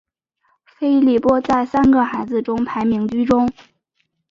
菲利波在三个孩子中排行居中。